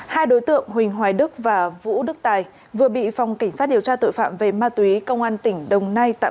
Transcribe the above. hai đối tượng huỳnh hoài đức và vũ đức tài vừa bị phòng cảnh sát điều tra tội phạm về ma túy công an tỉnh đồng nai tạm giữ